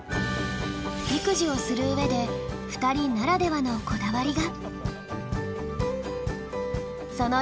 育児をする上で２人ならではのこだわりが。